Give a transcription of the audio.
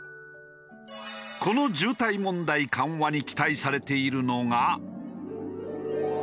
この渋滞問題緩和に期待されているのが。